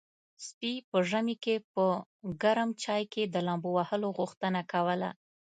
سپي په ژمي کې په ګرم چای کې د لامبو وهلو غوښتنه کوله.